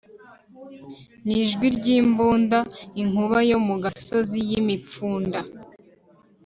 Nijwi ryimbunda inkuba yo mu gasozi yimipfunda